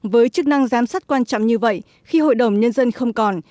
với chức năng giám sát quan trọng như vậy khi hội đồng nhân dân không còn